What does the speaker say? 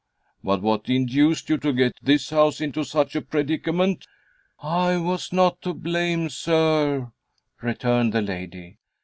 "But what induced you to get this house into such a predicament?" "I was not to blame, sir," returned the lady.